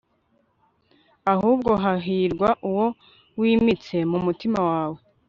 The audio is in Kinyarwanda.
ahubwo hahirwa uwo wimitse mu mutima wawe